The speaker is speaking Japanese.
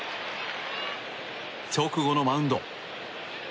直後のマウンド。